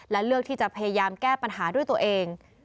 และเลือกที่จะพยายามแก้ปัญหาด้วยตัวเอง